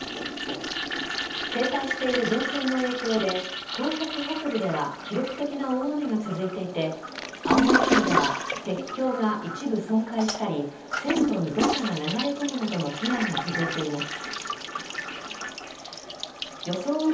停滞している前線の影響で東北北部では記録的な大雨が続いていて青森県では鉄橋が一部損壊したり線路に土砂が流れ込むなどの被害が続いています。